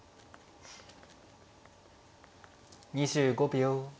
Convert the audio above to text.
２５秒。